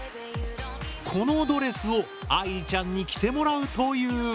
このドレスを愛莉ちゃんに着てもらうという。